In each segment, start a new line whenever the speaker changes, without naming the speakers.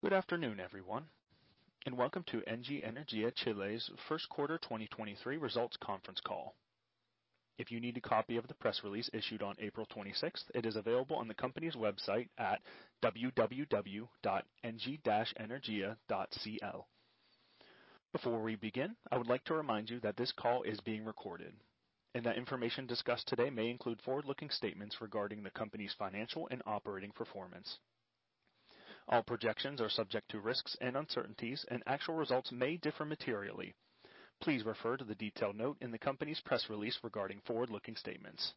Good afternoon, everyone and welcome to ENGIE Energía Chile's first quarter 2023 results conference call. If you need a copy of the press release issued on April 26th, it is available on the company's website at www.engie-energia.cl. Before we begin, I would like to remind you that this call is being recorded, and that information discussed today may include forward-looking statements regarding the company's financial and operating performance. All projections are subject to risks and uncertainties, and actual results may differ materially. Please refer to the detailed note in the company's press release regarding forward-looking statements.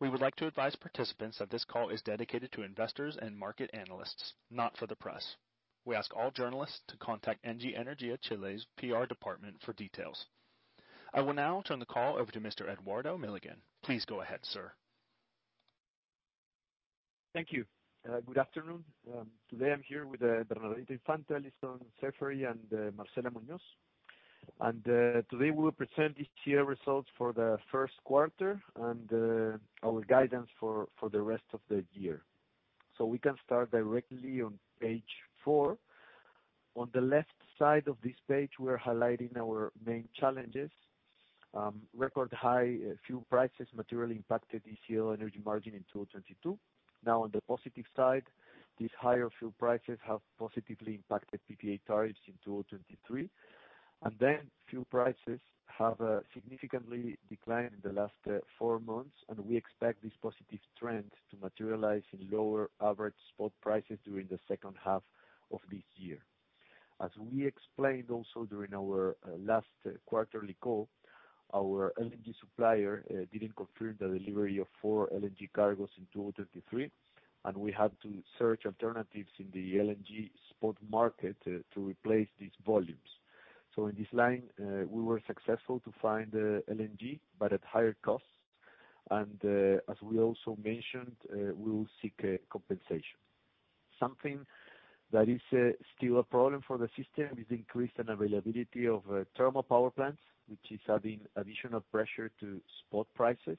We would like to advise participants that this call is dedicated to investors and market analysts, not for the press. We ask all journalists to contact ENGIE Energia Chile's PR department for details. I will now turn the call over to Mr. Eduardo Milligan. Please go ahead, sir.
Thank you. Good afternoon. Today I'm here with Bernardita Infante, Alison Saffery, and Marcela Muñoz. Today we'll present this year results for the first quarter and our guidance for the rest of the year. We can start directly on page four. On the left side of this page, we're highlighting our main challenges. Record high fuel prices materially impacted ENGIE energy margin in 2022. Now on the positive side, these higher fuel prices have positively impacted PPA tariffs in 2023. Fuel prices have significantly declined in the last four months, and we expect this positive trend to materialize in lower average spot prices during the second half of this year. As we explained also during our last quarterly call, our LNG supplier didn't confirm the delivery four LNG cargoes in 2023, and we had to search alternatives in the LNG spot market to replace these volumes. In this line, we were successful to find LNG, but at higher costs. As we also mentioned, we will seek compensation. Something that is still a problem for the system is increased unavailability of thermal power plants, which is adding additional pressure to spot prices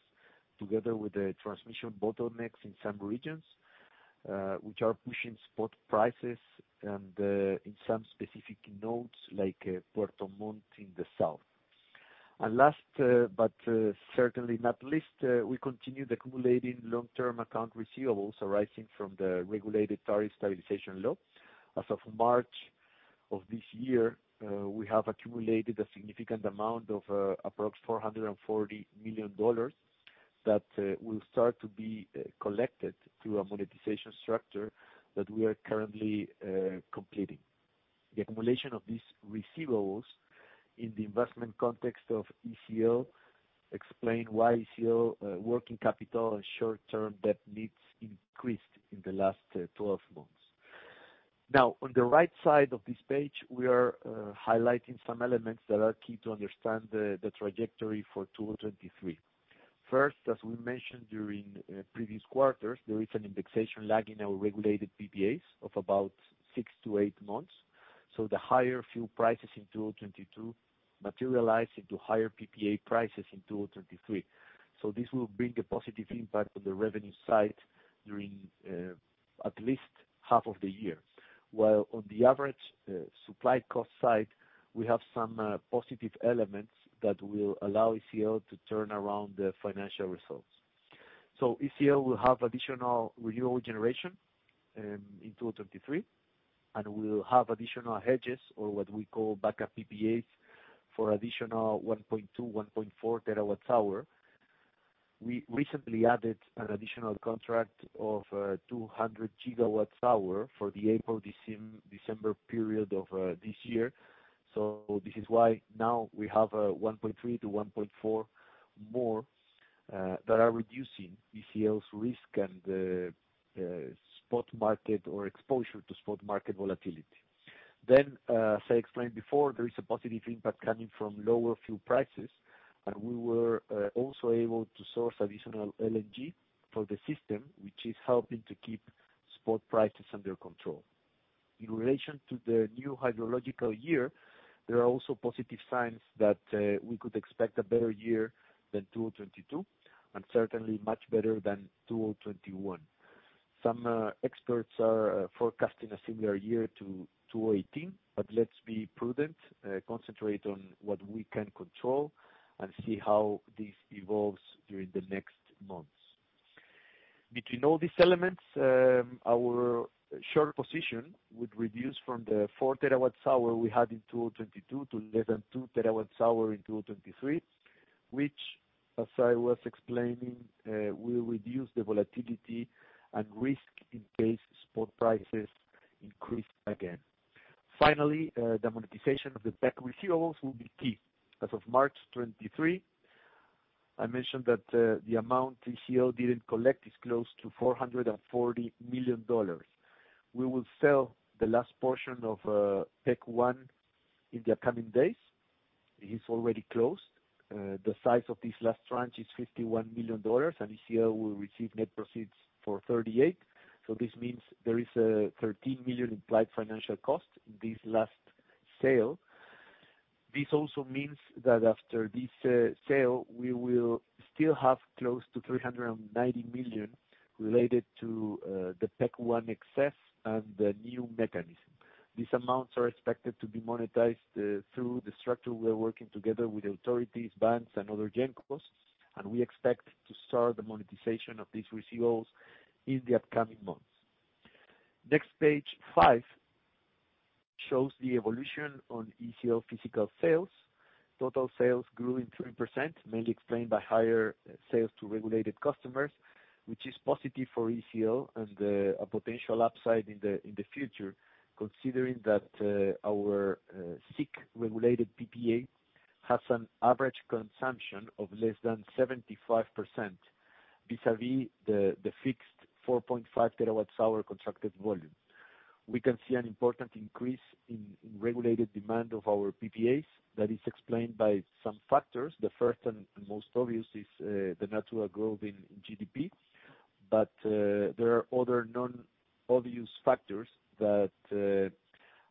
together with the transmission bottlenecks in some regions, which are pushing spot prices and in some specific nodes like Puerto Montt in the south. Last, but certainly not least we continue the accumulating long-term account receivables arising from the regulated Tariff Stabilization Law. As of March of this year, we have accumulated a significant amount of, approx. $440 million that will start to be collected through a monetization structure that we are currently completing. The accumulation of these receivables in the investment context of ECL explain why ECL, working capital and short-term debt needs increased in the last 12 months. On the right side of this page, we are highlighting some elements that are key to understand the trajectory for 2023. First, as we mentioned during previous quarters, there is an indexation lag in our regulated PPAs of about six to eight months. The higher fuel prices in 2022 materialize into higher PPA prices in 2023. This will bring a positive impact on the revenue side during at least half of the year. While on the average supply cost side, we have some positive elements that will allow ECL to turn around the financial results. ECL will have additional renewable generation in 2023, and we'll have additional hedges or what we call backup PPAs for additional 1.2 TWh, 1.4 TWh. We recently added an additional contract of 200 GWh for the April to December period of this year. This is why now we have 1.3 TWh-1.4 TWh more that are reducing ECL's risk and spot market or exposure to spot market volatility. As I explained before, there is a positive impact coming from lower fuel prices. We were also able to source additional LNG for the system, which is helping to keep spot prices under control. In relation to the new hydrological year, there are also positive signs that we could expect a better year than 2022, and certainly much better than 2021. Some experts are forecasting a similar year to 2018, but let's be prudent, concentrate on what we can control and see how this evolves during the next months. Between all these elements, our short position would reduce from the 4 TWh we had in 2022 to less than 2 TWh in 2023, which, as I was explaining, will reduce the volatility and risk in case spot prices increase again. Finally, the monetization of the PEC receivables will be key. As of March 23, I mentioned that the amount ECL didn't collect is close to $440 million. We will sell the last portion of PEC 1 in the coming days. It is already closed. The size of this last tranche is $51 million, and ECL will receive net proceeds for $38 million. This means there is a $13 million implied financial cost in this last sale. This also means that after this sale, we will still have close to $390 million related to the PEC 1 excess and the new mechanism. These amounts are expected to be monetized through the structure we are working together with authorities, banks and other GENCOs, and we expect to start the monetization of these receivables in the upcoming months. Next page, five, shows the evolution on ECL physical sales. Total sales grew 3% mainly explained by higher sales to regulated customers which is positive for ECL and a potential upside in the future considering that our SIC regulated PPA has an average consumption of less than 75% vis-a-vis the fixed 4.5 kWh constructed volume. We can see an important increase in regulated demand of our PPAs. That is explained by some factors. The first and most obvious is the natural growth in GDP. There are other non-obvious factors that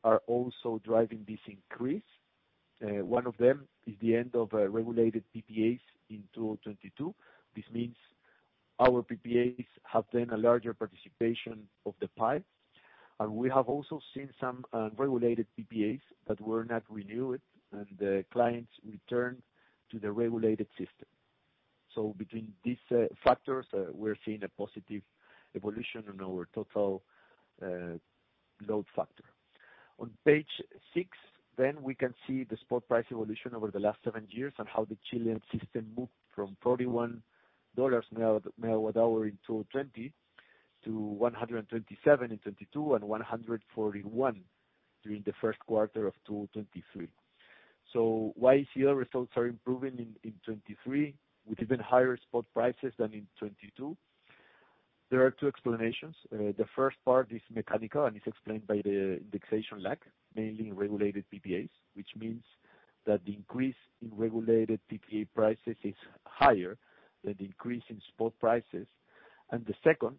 are also driving this increase. One of them is the end of regulated PPAs in 2022. This means our PPAs have then a larger participation of the pipe, and we have also seen some regulated PPAs that were not renewed and the clients returned to the regulated system. Between these factors, we're seeing a positive evolution in our total load factor. On page six, we can see the spot price evolution over the last seven years and how the Chilean system moved from $41 megawatt hour in 2020 to $127 in 2022 and $141 during the first quarter of 2023. Why ECL results are improving in 2023 with even higher spot prices than in 2022? There are two explanations. The first part is mechanical, and it's explained by the indexation lag, mainly in regulated PPAs, which means that the increase in regulated PPA prices is higher than the increase in spot prices. The second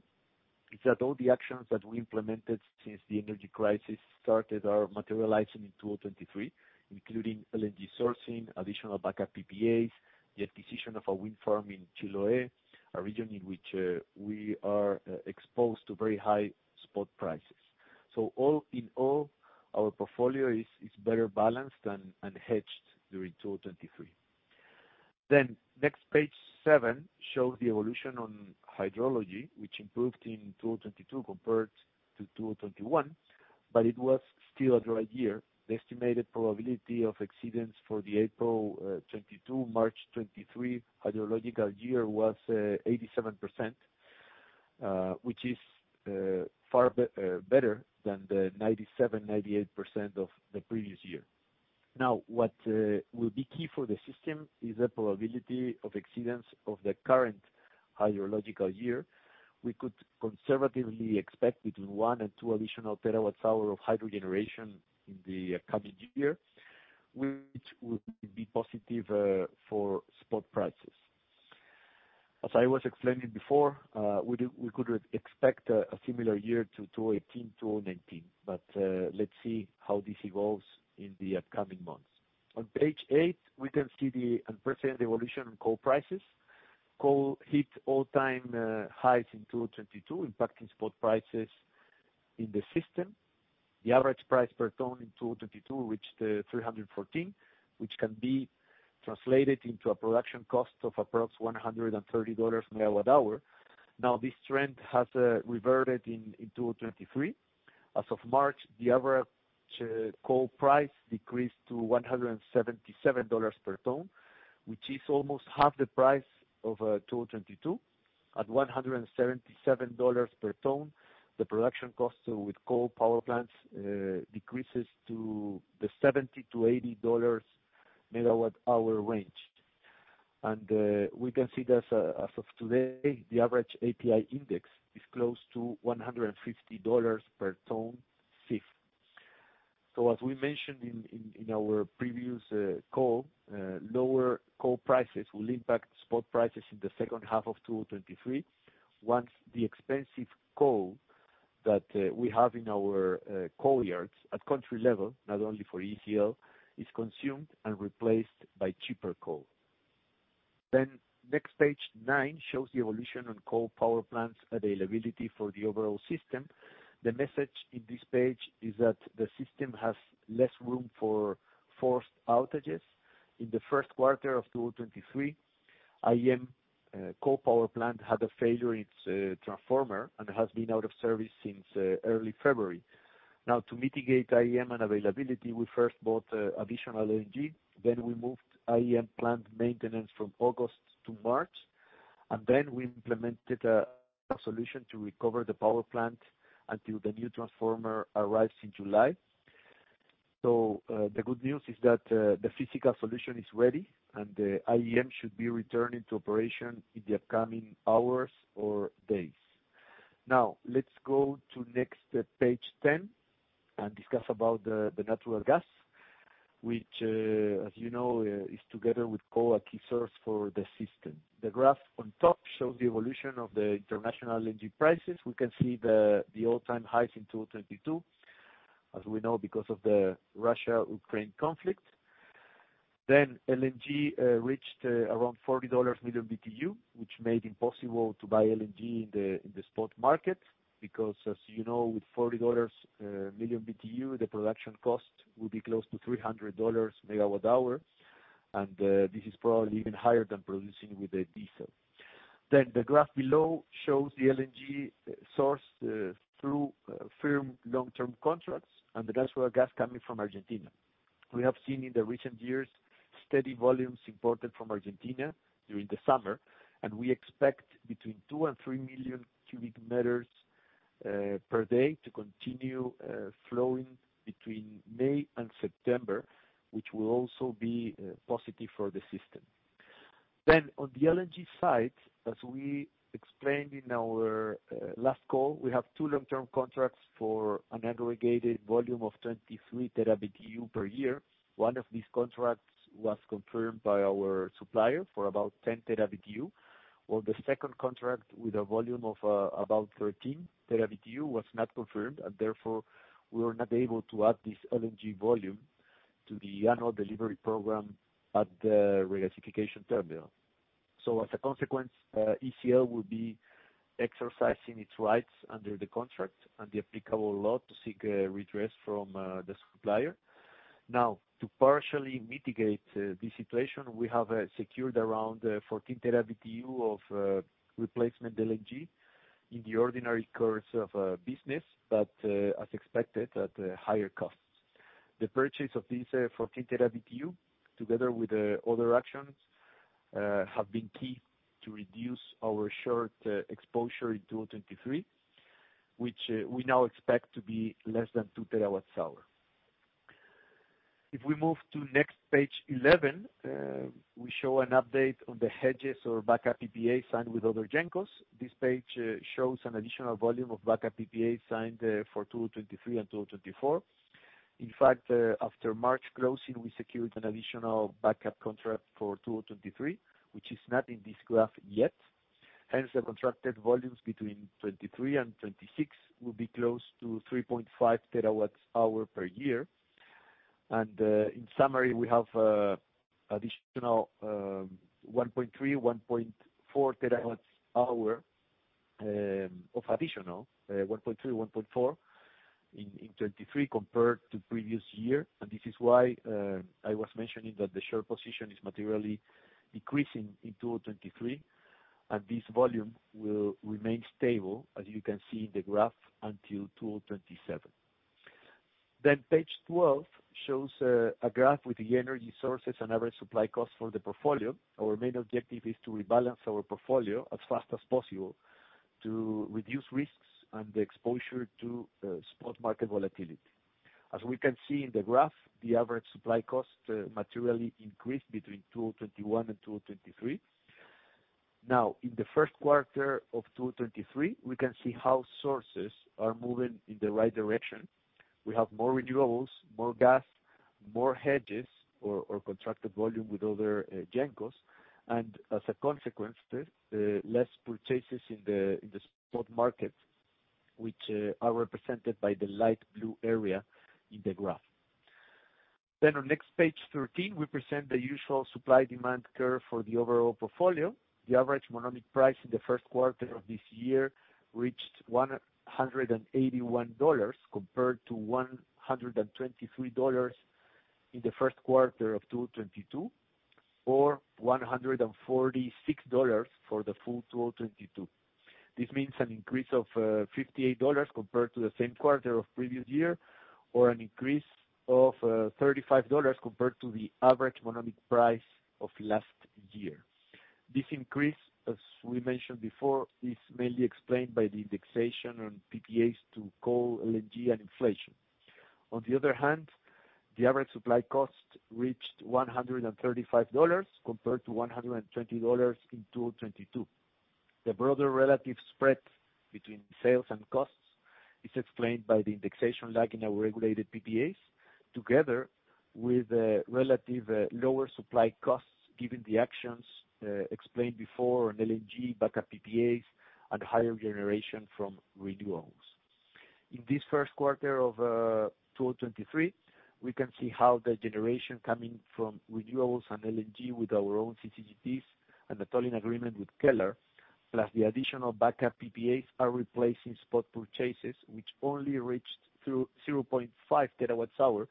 is that all the actions that we implemented since the energy crisis started are materializing in 2023, including LNG sourcing, additional backup PPAs, the acquisition of a wind farm in Chiloé, a region in which we are exposed to very high spot prices. All in all, our portfolio is better balanced and hedged during 2023. Next page seven, shows the evolution on hydrology, which improved in 2022 compared to 2021, but it was still a dry year. The estimated probability of exceedance for the April 2022, March 2023 hydrological year was 87%, which is far better than the 97%, 98% of the previous year. What will be key for the system is the probability of exceedance of the current hydrological year. We could conservatively expect between 1 TWh and 2 TWh additional of hydro generation in the coming year, which would be positive for spot prices. As I was explaining before, we could expect a similar year to 2018, 2019, but let's see how this evolves in the upcoming months. On page eight, we can see the unprecedented evolution on coal prices. Coal hit all-time highs in 2022, impacting spot prices in the system. The average price per ton in 2022 reached 314, which can be translated into a production cost of approx $130 megawatt-hour. Now, this trend has reverted in 2023. As of March, the average coal price decreased to $177 per ton, which is almost half the price of 2022. At $177 per ton, the production cost with coal power plants decreases to the $70-$80 megawatt hour range. We can see that as of today, the average API index is close to $150 per ton CIF. As we mentioned in our previous call, lower coal prices will impact spot prices in the second half of 2023 once the expensive coal that we have in our coal yards at country level, not only for ECL, is consumed and replaced by cheaper coal. Next page nine shows the evolution on coal power plants availability for the overall system. The message in this page is that the system has less room for forced outages. In the first quarter of 2023, IEM coal power plant had a failure in its transformer and has been out of service since early February. To mitigate IEM unavailability, we first bought additional LNG, then we moved IEM plant maintenance from August to March, and then we implemented a solution to recover the power plant until the new transformer arrives in July. The good news is that the physical solution is ready, and the IEM should be returning to operation in the upcoming hours or days. Let's go to next page 10 and discuss about the natural gas, which, as you know, is together with coal, a key source for the system. The graph on top shows the evolution of the international LNG prices. We can see the all-time highs in 2022, as we know, because of the Russia-Ukraine conflict. LNG reached around $40 million BTU, which made it possible to buy LNG in the spot market because as you know, with $40 million BTU, the production cost will be close to $300 megawatt hour, and this is probably even higher than producing with the diesel. The graph below shows the LNG source through firm long-term contracts and the natural gas coming from Argentina. We have seen in the recent years steady volumes imported from Argentina during the summer. We expect between 2 million cu m and 3 million cu m per day to continue flowing between May and September, which will also be positive for the system. On the LNG side, as we explained in our last call, we have two long-term contracts for an aggregated volume of 23 TB BTU per year. One of these contracts was confirmed by our supplier for about 10 TB BTU, while the second contract with a volume of about 13 TB BTU was not confirmed and therefore we were not able to add this LNG volume to the annual delivery program at the regasification terminal. As a consequence, ECL will be exercising its rights under the contract and the applicable law to seek redress from the supplier. Now, to partially mitigate, this situation, we have secured around 14 TB BTU of replacement LNG in the ordinary course of business, but as expected at higher costs. The purchase of these 14 TB BTU together with the other actions have been key to reduce our short exposure in 2023, which we now expect to be less than 2 TWh. If we move to next page 11, we show an update on the hedges or backup PPAs signed with other GENCOs. This page shows an additional volume of backup PPAs signed for 2023 and 2024. In fact, after March closing, we secured an additional backup contract for 2023, which is not in this graph yet. The contracted volumes between 2023 and 2026 will be close to 3.5 TWh per year. In summary, we have additional 1.3 TWh, 1.4 TWh of additional 1.3 TWh, 1.4 TWh in 2023 compared to previous year. This is why I was mentioning that the short position is materially decreasing in 2023, and this volume will remain stable, as you can see in the graph, until 2027. Page 12 shows a graph with the energy sources and average supply costs for the portfolio. Our main objective is to rebalance our portfolio as fast as possible to reduce risks and the exposure to spot market volatility. As we can see in the graph, the average supply cost materially increased between 2021 and 2023. In the first quarter of 2023, we can see how sources are moving in the right direction. We have more renewables, more gas, more hedges or contracted volume with other GENCOs, and as a consequence, the less purchases in the spot market, which are represented by the light blue area in the graph. On next page 13, we present the usual supply demand curve for the overall portfolio. The average monomial price in the first quarter of this year reached $181, compared to $123 in the first quarter of 2022, or $146 for the full 2022. This means an increase of $58 compared to the same quarter of previous year, or an increase of $35 compared to the average monomial price of last year. This increase, as we mentioned before, is mainly explained by the indexation on PPAs to coal, LNG, and inflation. On the other hand, the average supply cost reached $135 compared to $120 in 2022. The broader relative spread between sales and costs is explained by the indexation lag in our regulated PPAs, together with relative lower supply costs given the actions explained before on LNG, backup PPAs, and higher generation from renewables. In this first quarter of 2023, we can see how the generation coming from renewables and LNG with our own CCGTs and the tolling agreement with Kelar, plus the additional backup PPAs are replacing spot purchases which only reached 0.5 TWh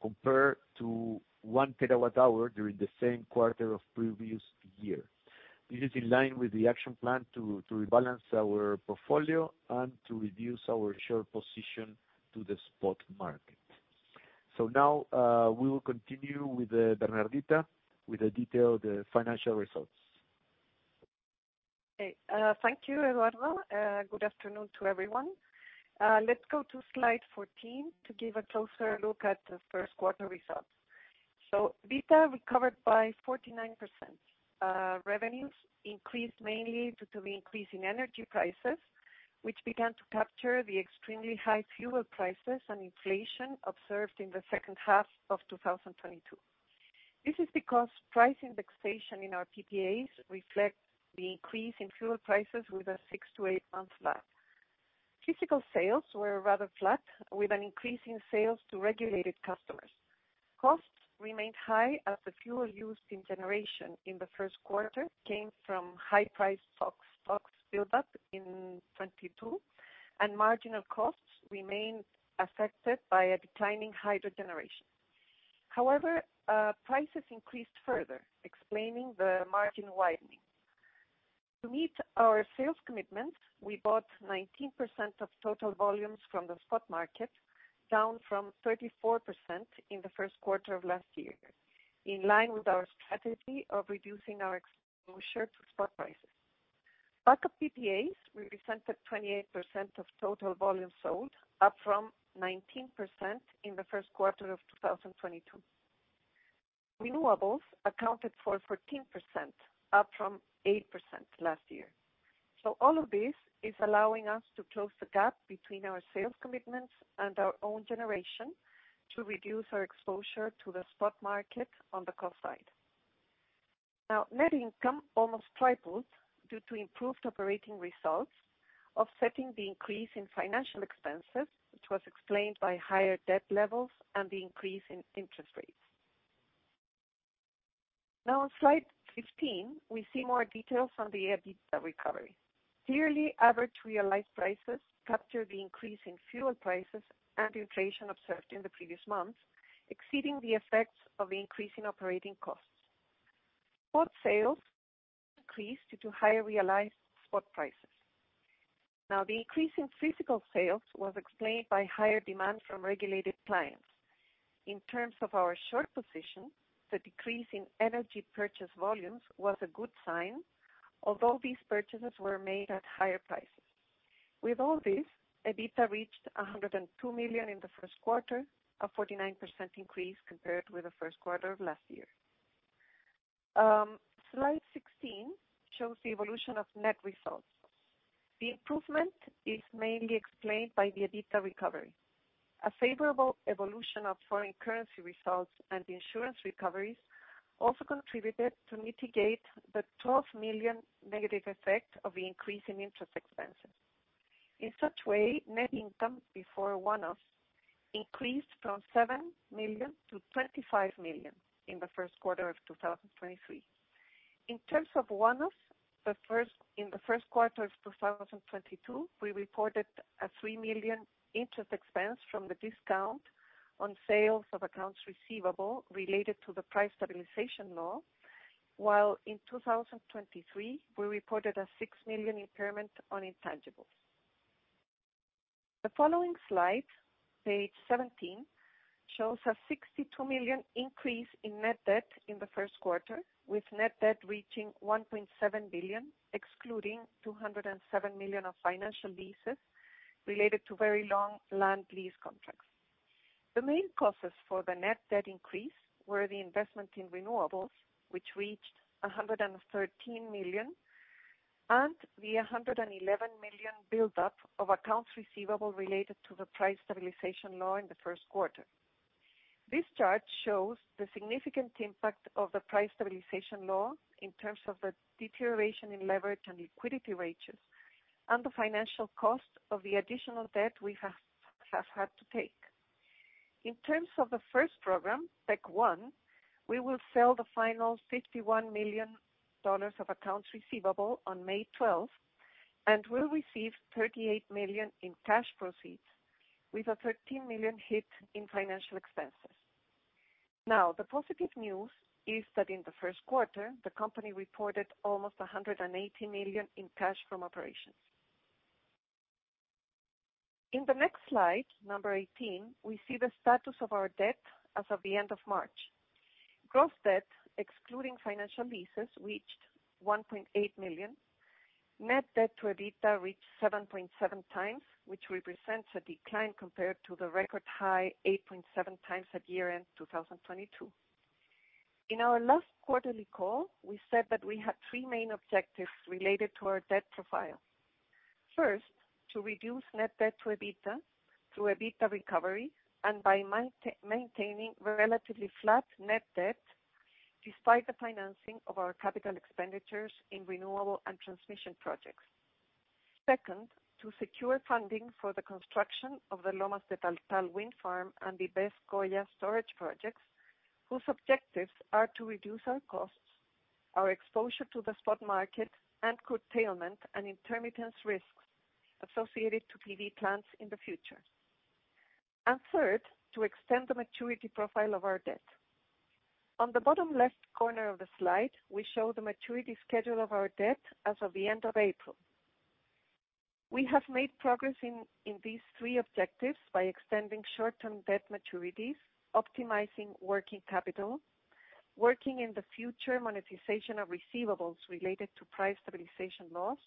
compared to 1 TWh during the same quarter of previous year. This is in line with the action plan to rebalance our portfolio and to reduce our short position to the spot market. Now, we will continue with Bernardita with the detailed financial results.
Okay. Thank you, Eduardo. Good afternoon to everyone. Let's go to slide 14 to give a closer look at the first quarter results. EBITDA recovered by 49%. Revenues increased mainly due to the increase in energy prices, which began to capture the extremely high fuel prices and inflation observed in the second half of 2022. This is because price indexation in our PPAs reflect the increase in fuel prices with a six to eight month lag. Physical sales were rather flat, with an increase in sales to regulated customers. Costs remained high as the fuel used in generation in the first quarter came from high price stock, stocks build up in 2022, and marginal costs remained affected by a declining hydro generation. Prices increased further, explaining the margin widening. To meet our sales commitments, we bought 19% of total volumes from the spot market, down from 34% in the first quarter of last year, in line with our strategy of reducing our exposure to spot prices. Backup PPAs represented 28% of total volumes sold, up from 19% in the first quarter of 2022. Renewables accounted for 14%, up from 8% last year. All of this is allowing us to close the gap between our sales commitments and our own generation to reduce our exposure to the spot market on the cost side. Net income almost tripled due to improved operating results, offsetting the increase in financial expenses, which was explained by higher debt levels and the increase in interest rates. On slide 15, we see more details on the EBITDA recovery. Clearly, average realized prices captured the increase in fuel prices and inflation observed in the previous months, exceeding the effects of the increase in operating costs. Spot sales increased due to higher realized spot prices. The increase in physical sales was explained by higher demand from regulated clients. In terms of our short position, the decrease in energy purchase volumes was a good sign, although these purchases were made at higher prices. With all this, EBITDA reached $102 million in the first quarter, a 49% increase compared with the first quarter of last year. Slide 16 shows the evolution of net results. The improvement is mainly explained by the EBITDA recovery. A favorable evolution of foreign currency results and insurance recoveries also contributed to mitigate the $12 million negative effect of the increase in interest expenses. Net income before one-offs increased from $7 million to $25 million in the first quarter of 2023. In terms of one-offs, in the first quarter of 2022, we reported a $3 million interest expense from the discount on sales of accounts receivable related to the Price Stabilization Law. In 2023, we reported a $6 million impairment on intangibles. The following slide, page 17, shows a $62 million increase in net debt in the first quarter, with net debt reaching $1.7 billion, excluding $207 million of financial leases related to very long land lease contracts. The main causes for the net debt increase were the investment in renewables, which reached $113 million, and the $111 million build-up of accounts receivable related to the Price Stabilization Law in the first quarter. This chart shows the significant impact of the Price Stabilization Law in terms of the deterioration in leverage and liquidity ratios and the financial cost of the additional debt we have had to take. In terms of the first program, PEC 1, we will sell the final $51 million of accounts receivable on May 12th, we'll receive $38 million in cash proceeds with a $13 million hit in financial expenses. The positive news is that in the first quarter, the company reported almost $180 million in cash from operations. In the next slide, number 18, we see the status of our debt as of the end of March. Gross debt, excluding financial leases, reached $1.8 million. Net debt to EBITDA reached 7.7x, which represents a decline compared to the record high 8.7x at year-end 2022. In our last quarterly call, we said that we had three main objectives related to our debt profile. First, to reduce net debt to EBITDA through EBITDA recovery and by maintaining relatively flat net debt despite the financing of our capital expenditures in renewable and transmission projects. Second, to secure funding for the construction of the Lomas de Taltal Wind Farm and the BESS Coya storage projects, whose objectives are to reduce our costs, our exposure to the spot market, and curtailment and intermittent risks associated to PV plants in the future. Third, to extend the maturity profile of our debt. On the bottom left corner of the slide, we show the maturity schedule of our debt as of the end of April. We have made progress in these three objectives by extending short-term debt maturities, optimizing working capital, working in the future monetization of receivables related to Price Stabilization Laws,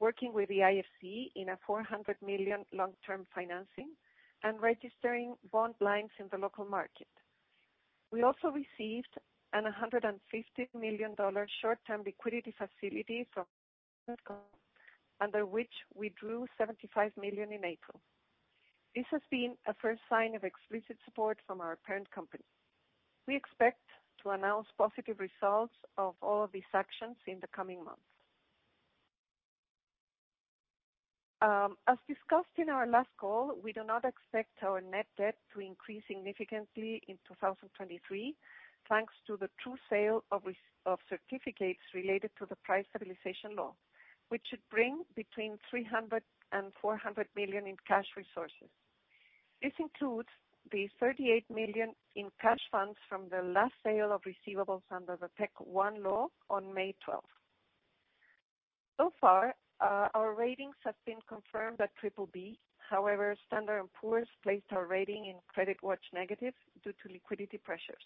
working with the IFC in a $400 million long-term financing, and registering bond lines in the local market. We also received a $150 million short-term liquidity facility from under which we drew $75 million in April. This has been a first sign of explicit support from our parent company. We expect to announce positive results of all of these actions in the coming months. As discussed in our last call, we do not expect our net debt to increase significantly in 2023, thanks to the true sale of certificates related to the Price Stabilization Law, which should bring between $300 million and $400 million in cash resources. This includes the $38 million in cash funds from the last sale of receivables under the PEC 1 law on May 12th. So far, our ratings have been confirmed at BBB. However, Standard & Poor's placed our rating in CreditWatch Negative due to liquidity pressures.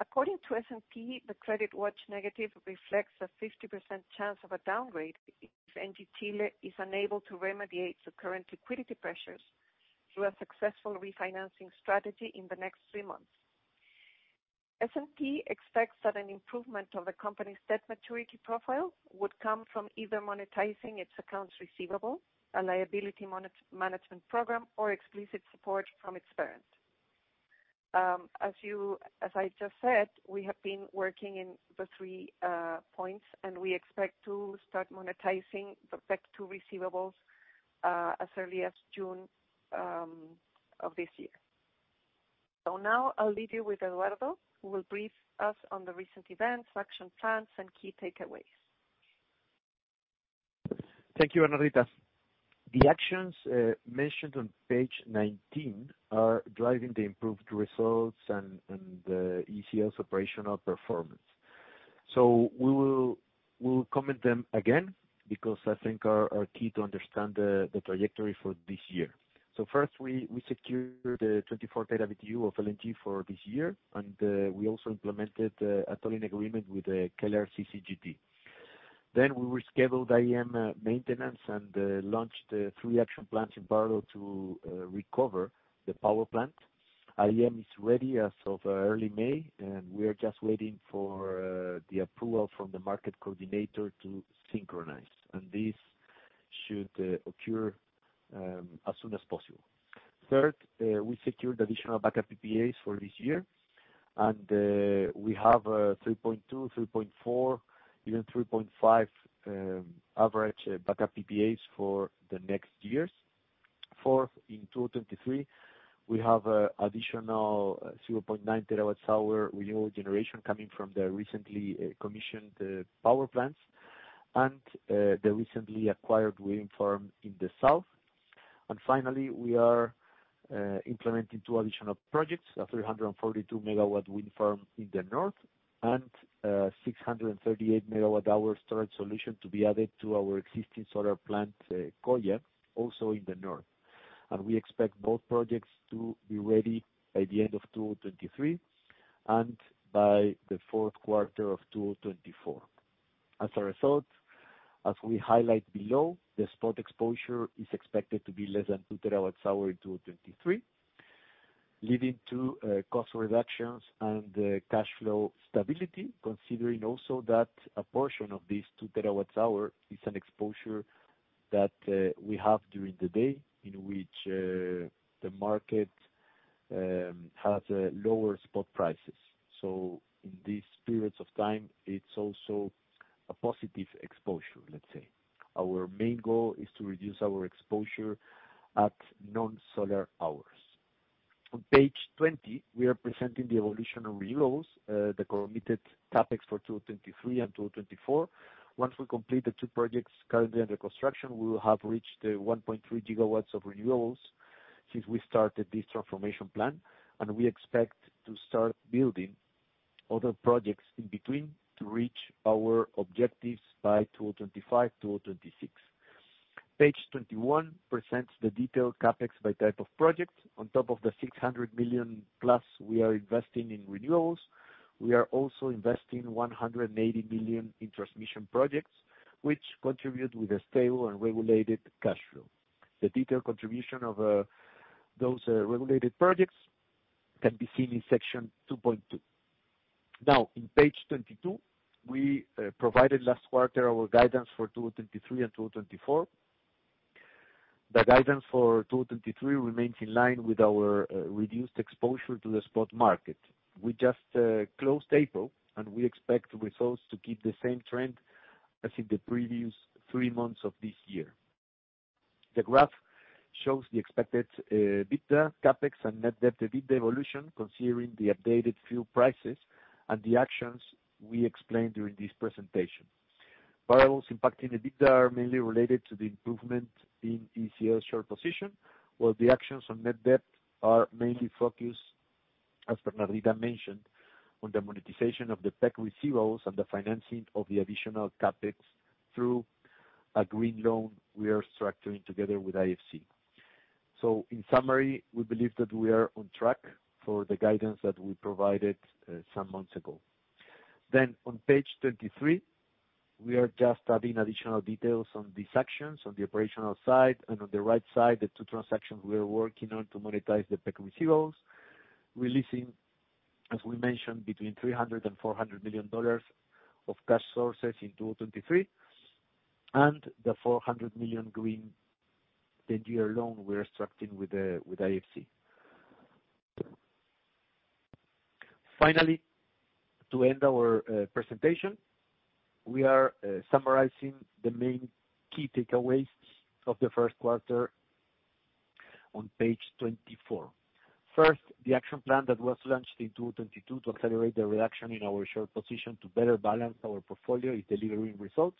According to S&P, the CreditWatch Negative reflects a 50% chance of a downgrade if ENGIE Chile is unable to remediate the current liquidity pressures through a successful refinancing strategy in the next three months. S&P expects that an improvement of the company's debt maturity profile would come from either monetizing its accounts receivable, a liability management program, or explicit support from its parent. As I just said, we have been working in the three points, and we expect to start monetizing the PEC 2 receivables, as early as June of this year. Now I'll leave you with Eduardo, who will brief us on the recent events, action plans, and key takeaways.
Thank you, Bernardita. The actions mentioned on page 19 are driving the improved results and ECL's operational performance. We will comment them again because I think are key to understand the trajectory for this year. First, we secured 24 TW year of LNG for this year, and we also implemented a tolling agreement with the Kelar CCGT. We rescheduled IEM maintenance and launched three action plans in Barlo to recover the power plant. IEM is ready as of early May, and we are just waiting for the approval from the market coordinator to synchronize, and this should occur as soon as possible. Third, we secured additional backup PPAs for this year, and we have 3.2 TWh, 3.4 TWh, even 3.5 TWh, average backup PPAs for the next years. Fourth, in 2023, we have additional 0.9 TWh renewable generation coming from the recently commissioned power plants and the recently acquired wind farm in the south. Finally, we are implementing two additional projects, a 342 MW wind farm in the north and 638 MWh storage solution to be added to our existing solar plant, Coya, also in the north. We expect both projects to be ready by the end of 2023 and by the fourth quarter of 2024. As a result, as we highlight below, the spot exposure is expected to be less than 2 TWh in 2023, leading to cost reductions and cash flow stability, considering also that a portion of this 2 TWh is an exposure that we have during the day in which the market has lower spot prices. In these periods of time, it's also a positive exposure, let's say. Our main goal is to reduce our exposure at non-solar hours. On page 20, we are presenting the evolution of renewables, the committed CapEx for 2023 and 2024. Once we complete the two projects currently under construction, we will have reached 1.3 GW of renewables since we started this transformation plan. We expect to start building other projects in between to reach our objectives by 2025, 2026. Page 21 presents the detailed CapEx by type of project. On top of the $600 million+ we are investing in renewables, we are also investing $180 million in transmission projects, which contribute with a stable and regulated cash flow. The detailed contribution of those regulated projects can be seen in section 2.2. In page 22, we provided last quarter our guidance for 2023 and 2024. The guidance for 2023 remains in line with our reduced exposure to the spot market. We just closed April. We expect results to keep the same trend as in the previous three months of this year. The graph shows the expected EBITDA, CapEx, and net debt to EBITDA evolution, considering the updated fuel prices and the actions we explained during this presentation. Variables impacting the EBITDA are mainly related to the improvement in ECL's short position, while the actions on net debt are mainly focused, as Bernardita mentioned, on the monetization of the PEC receivables and the financing of the additional CapEx through a green loan we are structuring together with IFC. In summary, we believe that we are on track for the guidance that we provided some months ago. On page 23, we are just adding additional details on these actions on the operational side. On the right side, the two transactions we are working on to monetize the PEC receivables, releasing, as we mentioned, between $300 million-$400 million of cash sources in 2023. The $400 million green 10-year loan we're structuring with IFC. Finally, to end our presentation, we are summarizing the main key takeaways of the first quarter on page 24. First, the action plan that was launched in 2022 to accelerate the reduction in our short position to better balance our portfolio is delivering results.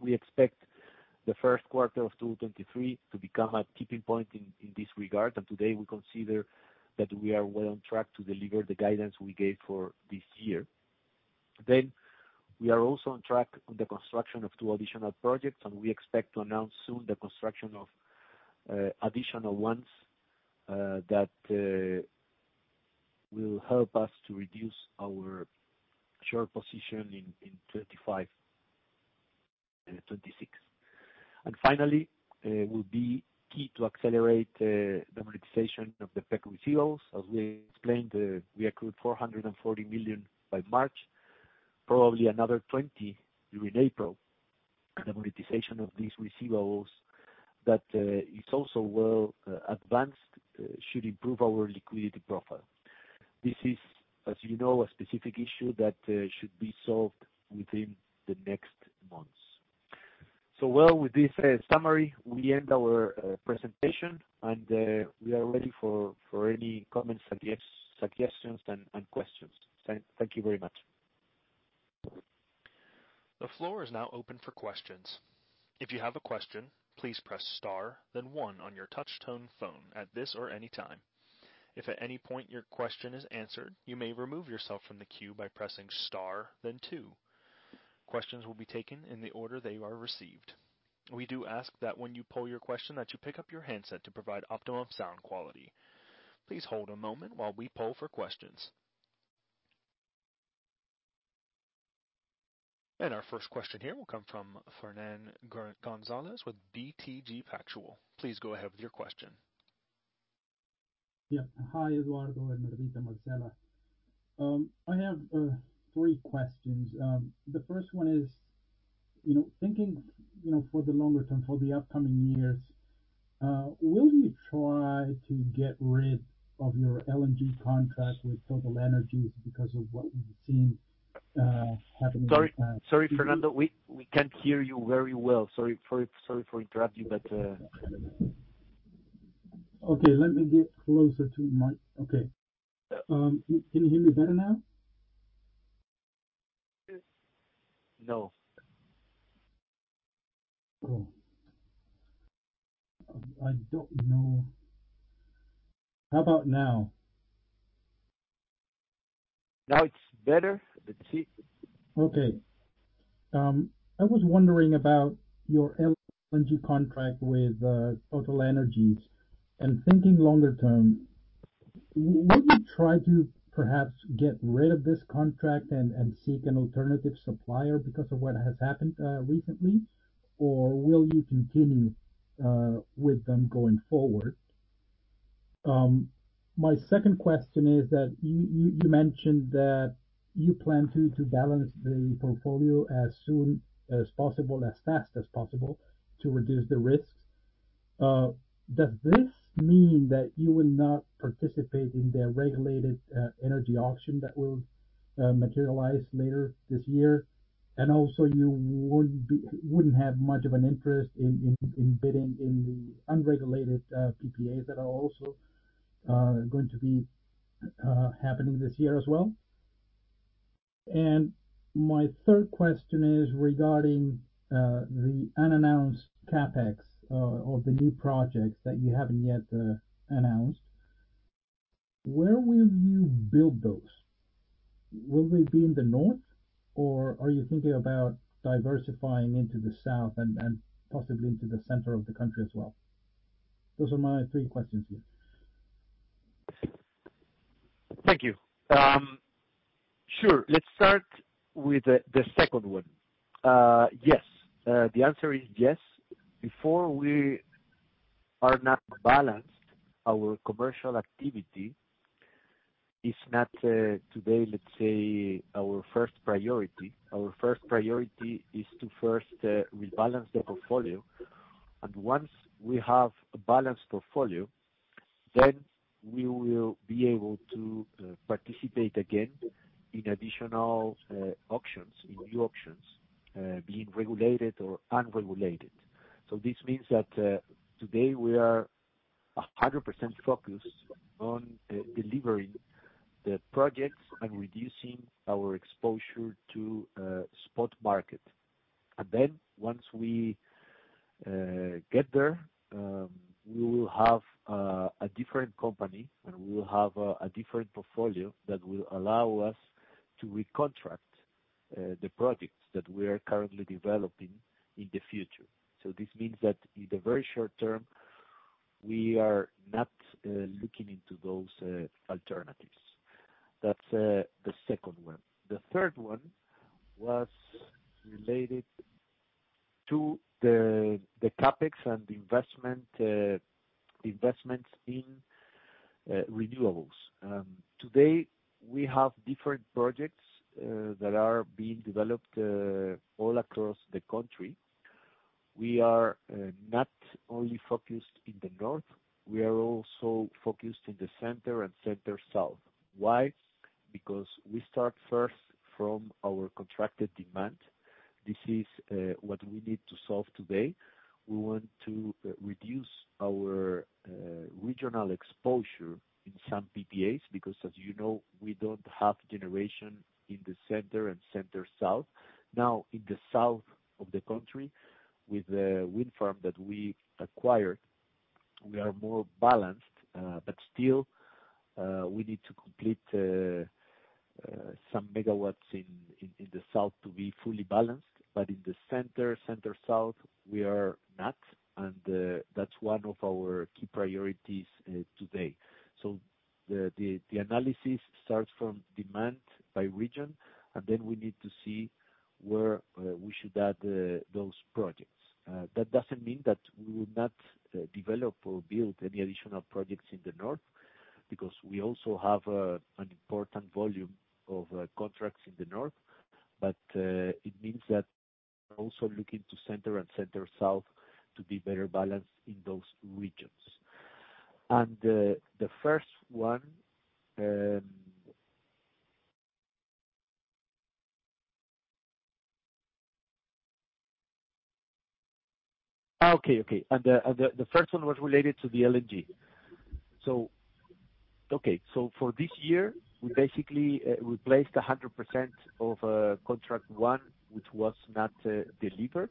We expect the first quarter of 2023 to become a tipping point in this regard, and today we consider that we are well on track to deliver the guidance we gave for this year. We are also on track on the construction of two additional projects, and we expect to announce soon the construction of additional ones that will help us to reduce our short position in 2025 and 2026. Finally, will be key to accelerate the monetization of the PEC receivables. As we explained, we accrued $440 million by March, probably another $20 million during April. The monetization of these receivables that is also well advanced should improve our liquidity profile. This is, as you know, a specific issue that should be solved within the next months. Well, with this summary, we end our presentation, and we are ready for any comments, suggestions and questions. Thank you very much.
The floor is now open for questions. If you have a question, please press star then one on your touch tone phone at this or any time. If at any point your question is answered, you may remove yourself from the queue by pressing star then two. Questions will be taken in the order they are received. We do ask that when you pose your question that you pick up your handset to provide optimum sound quality. Please hold a moment while we poll for questions. Our first question here will come from Fernando González with BTG Pactual. Please go ahead with your question.
Yeah. Hi, Eduardo and Marcela. I have three questions. The first one is, you know, thinking, you know, for the longer term for the upcoming years, will you try to get rid of your LNG contract with TotalEnergies because of what we've seen, happening?
Sorry, Fernando. We can't hear you very well. Sorry for interrupting, but...
Okay, let me get closer to mic. Okay. Can you hear me better now?
No.
Oh. I don't know. How about now?
Now it's better. Let's see.
Okay. I was wondering about your LNG contract with TotalEnergies. Thinking longer term, would you try to perhaps get rid of this contract and seek an alternative supplier because of what has happened recently, or will you continue with them going forward? My second question is that you mentioned that you plan to balance the portfolio as soon as possible, as fast as possible to reduce the risks. Does this mean that you will not participate in the regulated energy auction that will materialize later this year? Also you wouldn't have much of an interest in bidding in the unregulated PPAs that are also going to be happening this year as well. My third question is regarding the unannounced CapEx or the new projects that you haven't yet announced. Where will you build those? Will they be in the north, or are you thinking about diversifying into the south and possibly into the center of the country as well? Those are my three questions here.
Thank you. Sure. Let's start with the second one. Yes. The answer is yes. Before we are not balanced, our commercial activity is not today, let's say, our first priority. Our first priority is to first rebalance the portfolio. Once we have a balanced portfolio, then we will be able to participate again in additional auctions, in new auctions, being regulated or unregulated. This means that today we are 100% focused on delivering the projects and reducing our exposure to spot market. Then once we get there, we will have a different company, and we will have a different portfolio that will allow us to recontract the projects that we are currently developing in the future. This means that in the very short term, we are not looking into those alternatives. That's the second one. The third one was related to the CapEx and the investments in renewables. Today we have different projects that are being developed all across the country. We are not only focused in the north, we are also focused in the center and center south. Why? Because we start first from our contracted demand. This is what we need to solve today. We want to reduce our regional exposure in some PPAs, because as you know, we don't have generation in the center and center south. Now, in the south of the country, with the wind farm that we acquired, we are more balanced, but still, we need to complete some megawatts in the south to be fully balanced. In the center south, we are not. That's one of our key priorities today. The analysis starts from demand by region, and then we need to see where we should add those projects. That doesn't mean that we will not develop or build any additional projects in the north, because we also have an important volume of contracts in the north. It means that we're also looking to center and center south to be better balanced in those regions. The first one... Okay, okay. The first one was related to the LNG. Okay, for this year, we basically replaced 100% of contract one, which was not delivered.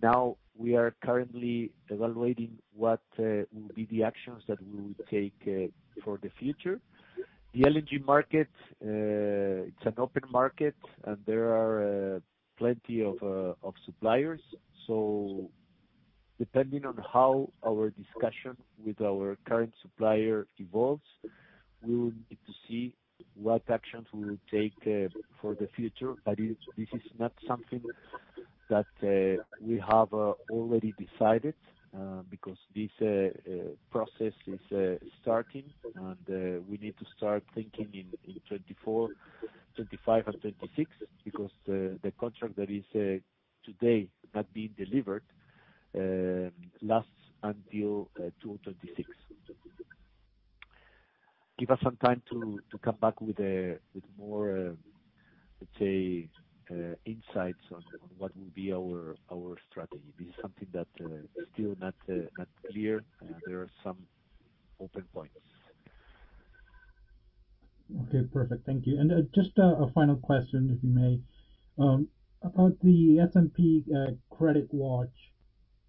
Now we are currently evaluating what will be the actions that we will take for the future. The LNG market, it's an open market and there are plenty of suppliers. Depending on how our discussion with our current supplier evolves, we will need to see what actions we will take for the future. This is not something that we have already decided, because this process is starting and we need to start thinking in 2024, 2025 and 2026 because the contract that is today not being delivered, lasts until 2026.Give us some time to come back with more, let's say, insights on what will be our strategy. This is something that, still not clear. There are some open points.
Okay, perfect. Thank you. Just a final question, if you may. About the S&P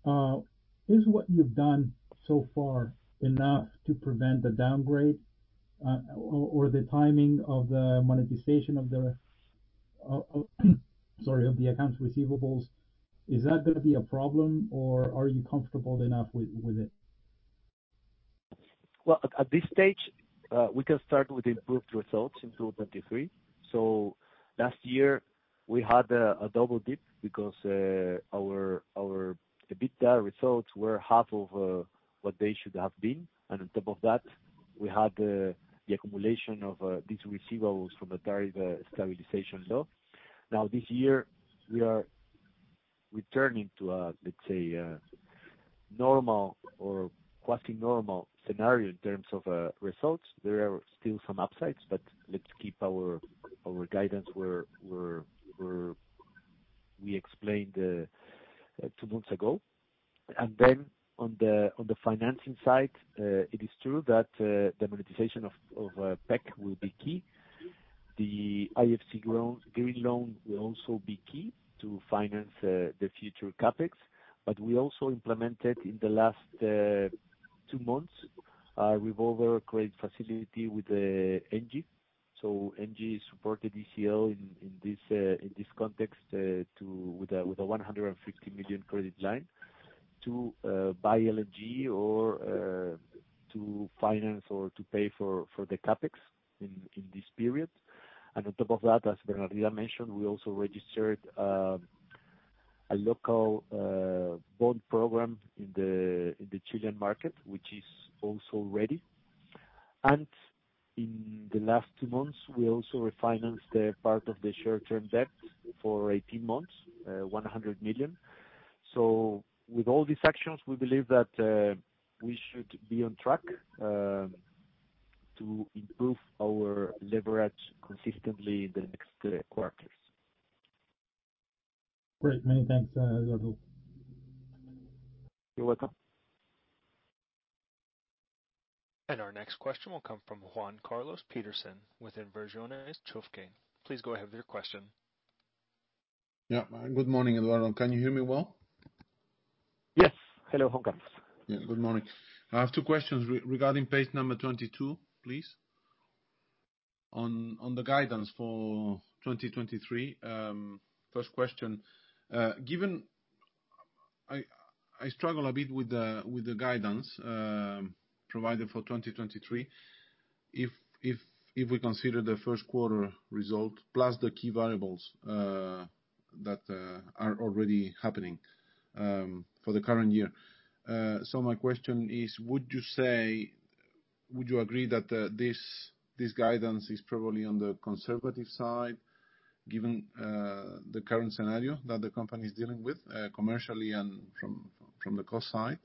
CreditWatch. Is what you've done so far enough to prevent a downgrade, or the timing of the monetization of the accounts receivables, is that gonna be a problem, or are you comfortable enough with it?
At this stage, we can start with improved results in 2023. Last year we had a double dip because our EBITDA results were half of what they should have been. On top of that, we had the accumulation of these receivables from the Tariff Stabilization Law. This year, we are returning to a, let's say, a normal or quasi-normal scenario in terms of results. There are still some upsides, but let's keep our guidance where we explained two months ago. On the financing side, it is true that the monetization of PEC will be key. The IFC loan, green loan will also be key to finance the future CapEx. We also implemented in the last two months a revolver credit facility with ENGIE. ENGIE supported ECL in this context with a $150 million credit line to buy LNG or to finance or to pay for the CapEx in this period. On top of that, as Bernardita mentioned, we also registered a local bond program in the Chilean market, which is also ready. In the last two months, we also refinanced a part of the short-term debt for 18 months, $100 million. With all these actions, we believe that we should be on track to improve our leverage consistently in the next quarters.
Great. Many thanks, Eduardo.
You're welcome.
Our next question will come from Juan Carlos Peterson with Inversiones Chufquén. Please go ahead with your question.
Good morning, Eduardo. Can you hear me well?
Yes. Hello, Juan Carlos.
Good morning. I have two questions regarding page number 22, please, on the guidance for 2023. If we consider the first quarter result, plus the key variables that are already happening for the current year. My question is: would you say, would you agree that this guidance is probably on the conservative side, given the current scenario that the company is dealing with commercially and from the cost side?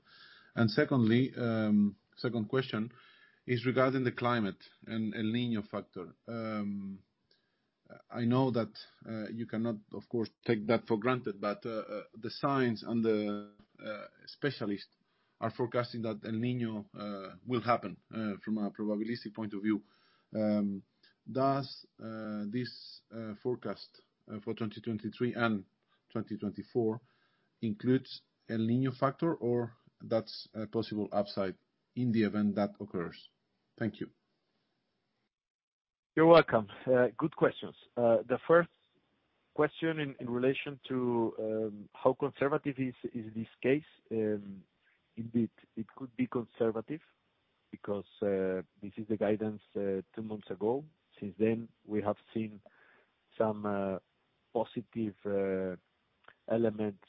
Secondly, second question is regarding the climate and El Niño factor. I know that you cannot, of course, take that for granted, but the signs and the specialists are forecasting that El Niño will happen from a probabilistic point of view. Does this forecast for 2023 and 2024 include El Niño factor, or that's a possible upside in the event that occurs? Thank you.
You're welcome. Good questions. The first question in relation to how conservative is this case. Indeed, it could be conservative because this is the guidance two months ago. Since then, we have seen some positive elements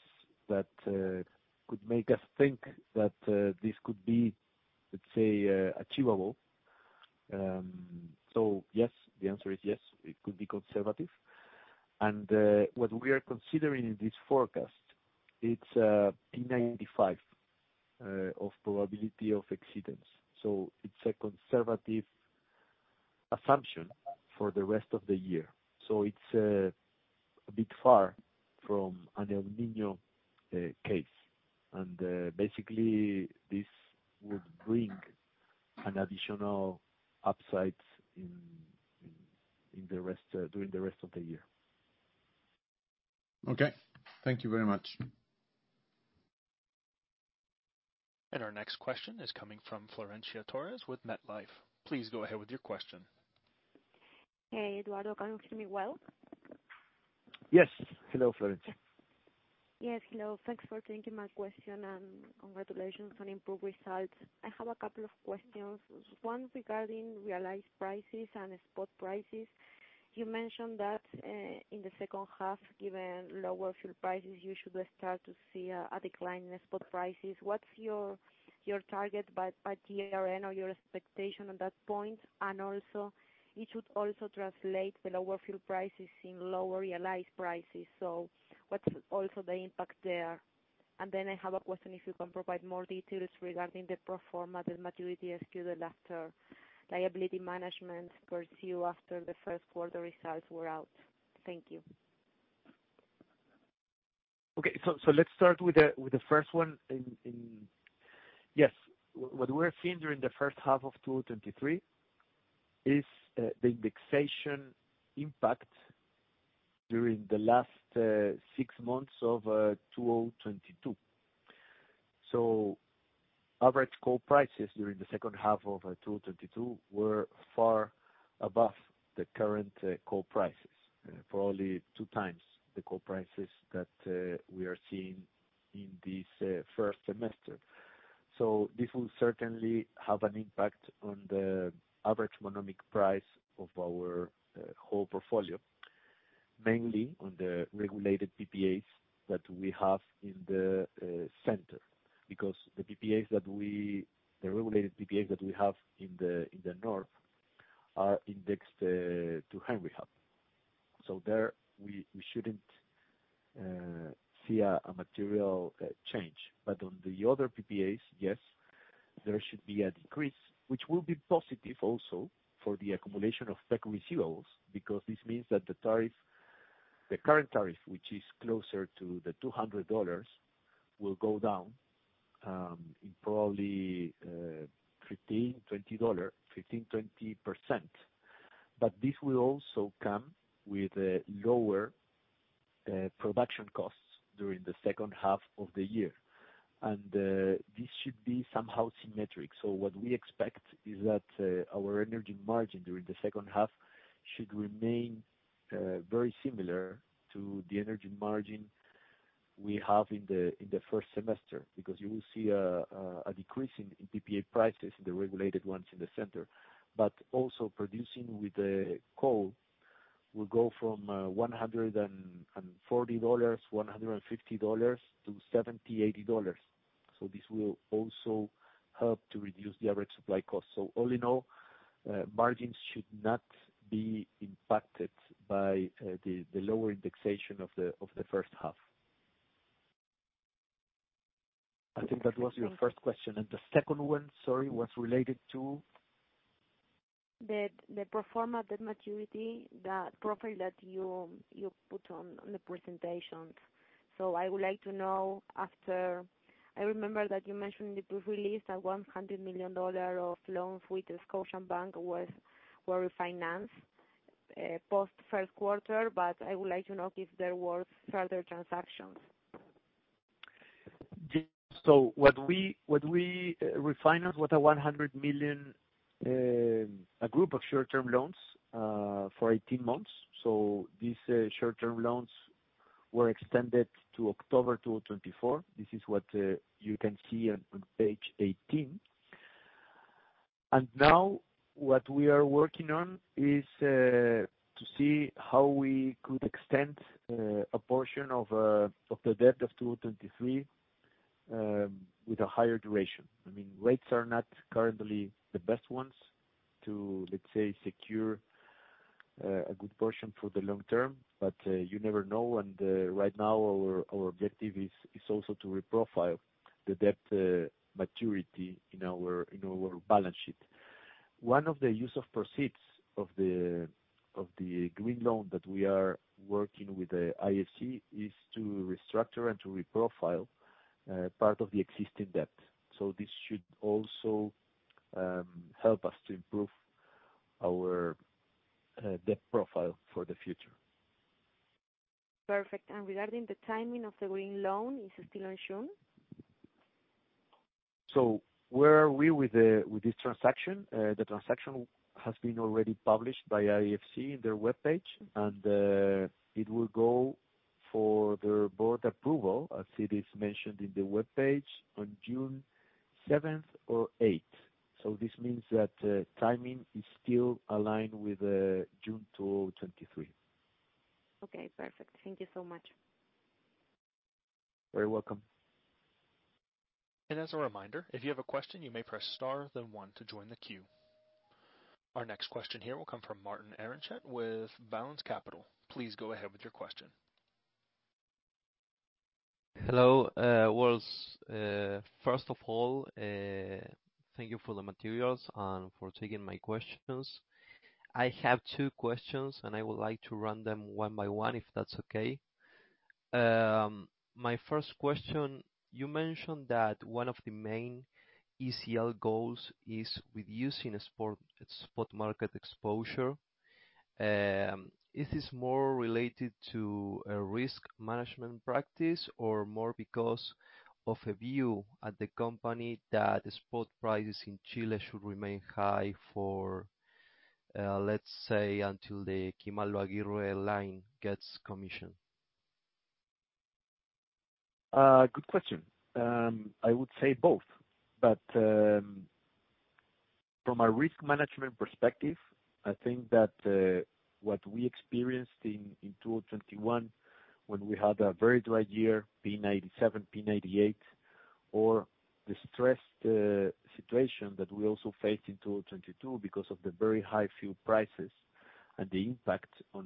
that could make us think that this could be, let's say, achievable. Yes, the answer is yes, it could be conservative. What we are considering in this forecast, it's P95 of probability of exceedance. It's a conservative assumption for the rest of the year. It's a bit far from an El Niño case. Basically, this would bring an additional upside in the rest during the rest of the year.
Okay. Thank you very much.
Our next question is coming from Florencia Torres with MetLife. Please go ahead with your question.
Hey, Eduardo. Can you hear me well?
Yes. Hello, Florencia.
Yes. Hello. Thanks for taking my question. Congratulations on improved results. I have a couple of questions. One regarding realized prices and spot prices. You mentioned that in the second half, given lower fuel prices, you should start to see a decline in the spot prices. What's your target by year-end or your expectation on that point? Also, it should also translate the lower fuel prices in lower realized prices. What's also the impact there? I have a question, if you can provide more details regarding the pro forma, the maturity schedule, the latter liability management pursue after the first quarter results were out. Thank you.
Okay. Let's start with the first one. What we are seeing during the first half of 2023 is the indexation impact during the last six months of 2022. Average coal prices during the second half of 2022 were far above the current coal prices, probably 2x the coal prices that we are seeing in this first semester. This will certainly have an impact on the average economic price of our whole portfolio, mainly on the regulated PPAs that we have in the center. The regulated PPAs that we have in the north are indexed to Henry Hub. There, we shouldn't see a material change. On the other PPAs, yes, there should be a decrease, which will be positive also for the accumulation of tech receivables, because this means that the tariff, the current tariff, which is closer to $200, will go down, in probably, 15%-20%. This will also come with, lower production costs during the second half of the year. This should be somehow symmetric. What we expect is that, our energy margin during the second half should remain, very similar to the energy margin we have in the, in the first semester. You will see a decrease in PPA prices in the regulated ones in the center. Also producing with the coal will go from $140-$150 to $70-$80. This will also help to reduce the average supply cost. All in all, margins should not be impacted by the lower indexation of the first half. I think that was your first question. The second one, sorry, was related to?
The pro forma, the maturity, that profile that you put on the presentations. I would like to know, after I remember that you mentioned in the press release that $100 million of loans with Scotiabank were refinanced post first quarter. I would like to know if there were further transactions?
What we refinance with a $100 million, a group of short-term loans, for 18 months. These short-term loans were extended to October 2024. This is what you can see on page 18. Now what we are working on is to see how we could extend a portion of the debt of 2023 with a higher duration. I mean, rates are not currently the best ones to, let's say, secure a good portion for the long term. You never know. Right now our objective is also to reprofile the debt maturity in our balance sheet. One of the use of proceeds of the green loan that we are working with the IFC is to restructure and to reprofile part of the existing debt. This should also help us to improve our debt profile for the future.
Perfect. Regarding the timing of the green loan, is it still on June?
Where are we with this transaction? The transaction has been already published by IFC in their webpage, it will go for their board approval, as it is mentioned in the webpage on June seventh or eighth. This means that timing is still aligned with June 2023.
Okay. Perfect. Thank you so much.
Very welcome.
As a reminder, if you have a question, you may press star then one to join the queue. Our next question here will come from Martín Arancet with Balanz Capital. Please go ahead with your question.
Hello. Well, first of all, thank you for the materials and for taking my questions. I have two questions. I would like to run them one by one, if that's okay. My first question: you mentioned that one of the main ECL goals is reducing spot market exposure. Is this more related to a risk management practice or more because of a view at the company that the spot prices in Chile should remain high for, let's say until the Kimal-Lo Aguirre line gets commissioned?
Good question. I would say both, but from a risk management perspective, I think that what we experienced in 2021 when we had a very dry year, P97, P98, or the stressed situation that we also faced in 2022 because of the very high fuel prices and the impact on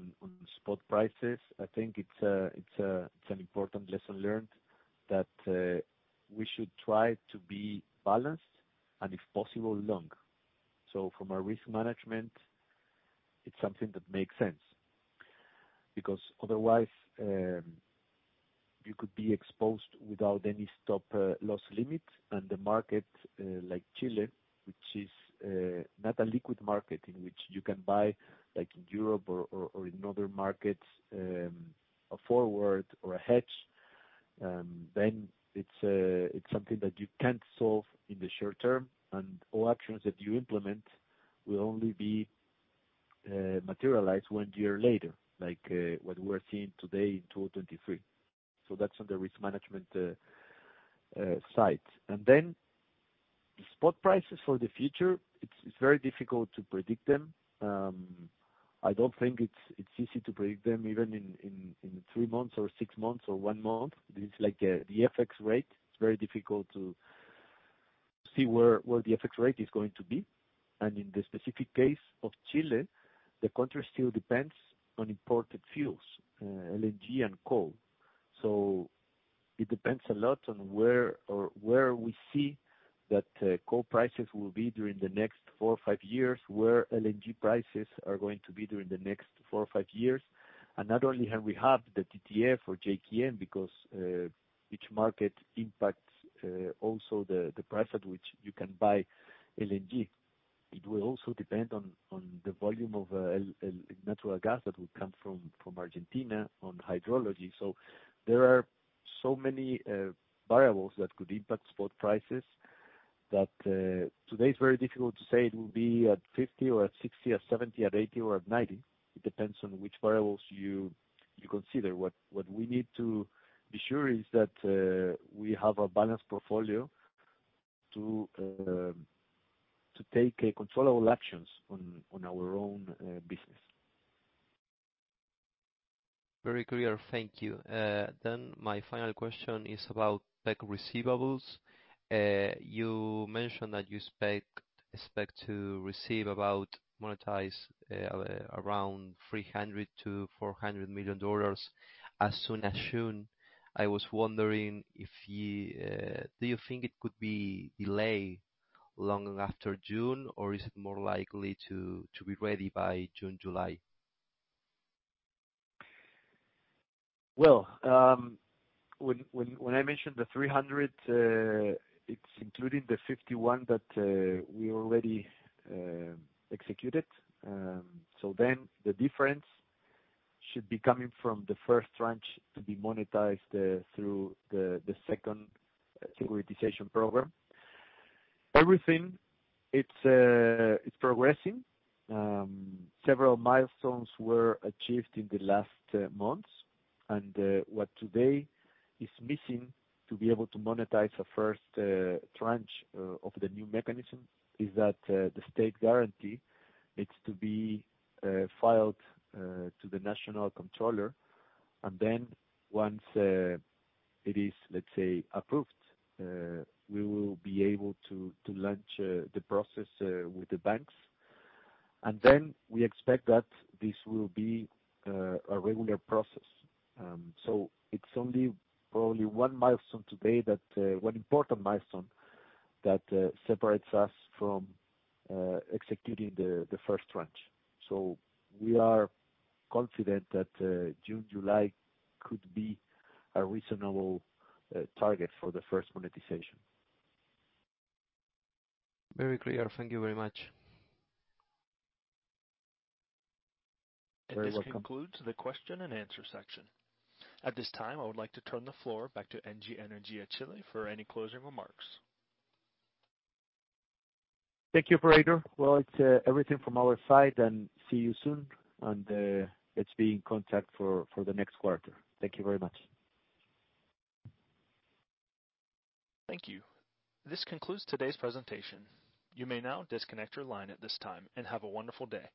spot prices, I think it's an important lesson learned that we should try to be balanced and if possible long. From a risk management, it's something that makes sense because otherwise, you could be exposed without any stop loss limit. The market, like Chile, which is not a liquid market in which you can buy, like in Europe or in other markets, a forward or a hedge, then it's something that you can't solve in the short term. All actions that you implement will only be materialized 1 year later, like what we are seeing today in 2023. That's on the risk management side. Then spot prices for the future, it's very difficult to predict them. I don't think it's easy to predict them even in three months or six months or one month. It is like the FX rate. It's very difficult to see where the FX rate is going to be. In the specific case of Chile, the country still depends on imported fuels, LNG and coal. It depends a lot on where or where we see that coal prices will be during the next four or five years, where LNG prices are going to be during the next four or five years. Not only have we had the TTF or JKM because each market impacts also the price at which you can buy LNG. It will also depend on the volume of natural gas that will come from Argentina on hydrology. There are so many variables that could impact spot prices that today it's very difficult to say it will be at $50 or at $60, at $70, at $80 or at $90. It depends on which variables you consider. What we need to be sure is that, we have a balanced portfolio to take controllable actions on our own business.
Very clear. Thank you. My final question is about PEC receivables. You mentioned that you expect to receive about monetize, around $300 million-$400 million as soon as June. I was wondering, do you think it could be delayed long after June, or is it more likely to be ready by June, July?
When I mentioned the $300 million, it's including the $51 million that we already executed. The difference should be coming from the first tranche to be monetized through the second securitization program. Everything, it's progressing. Several milestones were achieved in the last months. What today is missing to be able to monetize the first tranche of the new mechanism is that the state guarantee needs to be filed to the National Controller. Once it is, let's say, approved, we will be able to launch the process with the banks. We expect that this will be a regular process. It's only probably one milestone today that, one important milestone that, separates us from executing the first tranche. We are confident that June, July could be a reasonable target for the first monetization.
Very clear. Thank you very much.
You're very welcome.
This concludes the question-and-answer section. At this time, I would like to turn the floor back to ENGIE Energia Chile for any closing remarks.
Thank you, operator. Well, it's everything from our side, see you soon. Let's be in contact for the next quarter. Thank you very much.
Thank you. This concludes today's presentation. You may now disconnect your line at this time, and have a wonderful day.